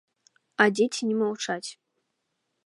А дзеці не маўчаць.